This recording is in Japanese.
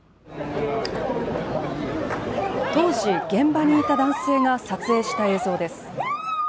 当時、現場にいた男性が撮影した映像です。